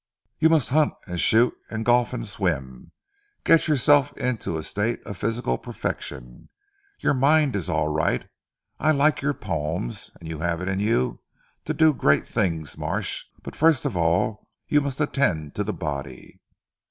You must hunt and shoot and golf and swim, and get yourself into a state of physical perfection. Your mind is all right. I like your poems, and you have it in you to do great things Marsh. But first of all you must attend to the body."